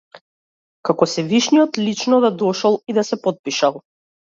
Како севишниот лично да дошол и да се потпишал.